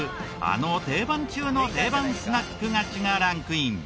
あの定番中の定番スナック菓子がランクイン。